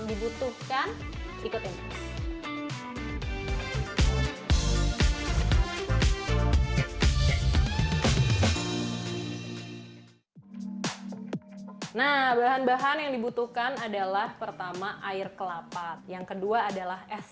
dibutuhkan ikutin nah bahan bahan yang dibutuhkan adalah pertama air kelapa yang kedua adalah es